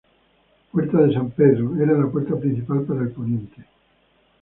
Puerta de San Pedro: era la puerta principal para el Poniente.